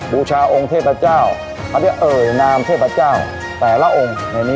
บูชาองค์เทพเจ้าเขาเรียกเอ่ยนามเทพเจ้าแต่ละองค์